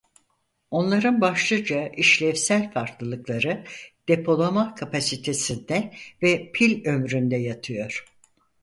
Onların başlıca işlevsel farklılıkları depolama kapasitesinde ve pil ömründe yatıyor.